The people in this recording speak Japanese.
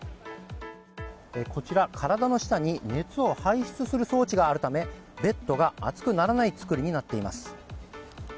こちら、体の下に熱を排出する装置があるためベッドが熱くならない作りになっています。